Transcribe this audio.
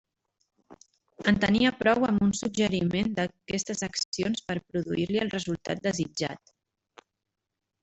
En tenia prou amb un suggeriment d'aquestes accions per produir-li el resultat desitjat.